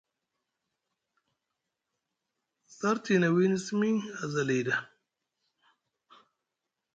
Sarti na wini simi aza lii ɗa.